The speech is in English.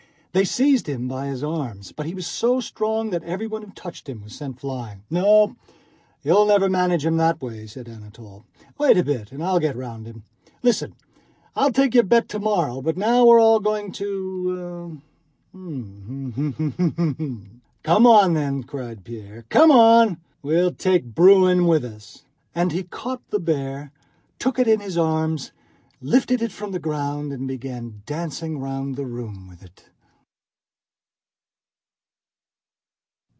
They seized him by his arms; but he was so strong that everyone who touched him was sent flying. "No, you'll never manage him that way," said Anatole. "Wait a bit and I'll get round him.... Listen! I'll take your bet tomorrow, but now we are all going to ——'s." "Come on then," cried Pierre. "Come on!... And we'll take Bruin with us." And he caught the bear, took it in his arms, lifted it from the ground, and began dancing round the room with it.